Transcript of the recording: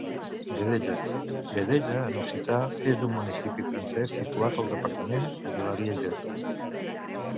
Vedelha, "Vedelha" en occità, és un municipi francès situat al departament de l'Arieja.